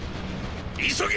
急げ！！